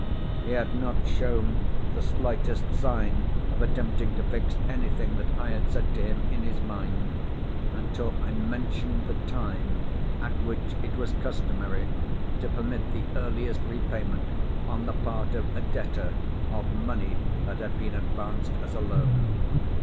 He had not shown the slightest sign of attempting to fix anything that I had said to him in his mind, until I mentioned the time at which it was customary to permit the earliest repayment, on the part of a debtor, of money that had been advanced as a loan.